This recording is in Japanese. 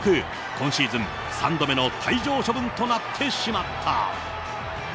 今シーズン３度目の退場処分となってしまった。